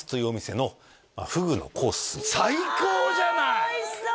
うわおいしそう！